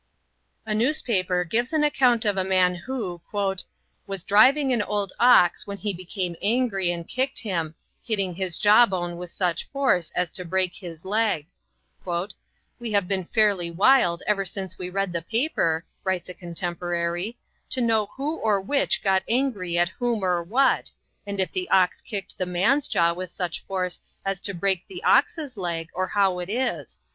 A newspaper gives an account of a man who "was driving an old ox when he became angry and kicked him, hitting his jawbone with such force as to break his leg." "We have been fairly wild ever since we read the paper," writes a contemporary, "to know who or which got angry at whom or what, and if the ox kicked the man's jaw with such force as to break the ox's leg, or how it is.